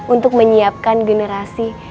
untuk menyiapkan generasi